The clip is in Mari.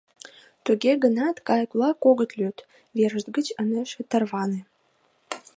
Туге гынат, кайык-влак огыт лӱд, верышт гыч ынешт тарване.